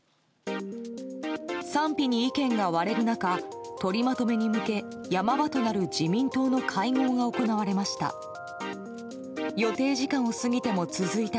賛否に意見が割れる中とりまとめに向け山場となる自民党の会合が行われました。